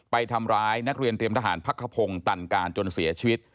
ไปทำร้ายนักเรียนเตรียมทหารพักขพงศ์ตันการจนเสียชีวิต